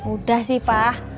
udah sih pak